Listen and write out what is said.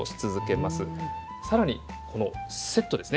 更にこのセットですね。